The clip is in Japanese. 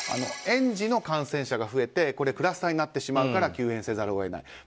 園児の感染者が増えてクラスターになってしまうから休園せざるを得ない。